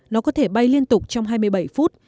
nó có thể bay liên tục trong hai mươi bảy phút